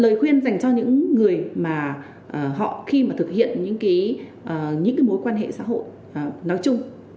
lời khuyên dành cho những người mà họ khi mà thực hiện những mối quan hệ xã hội nói chung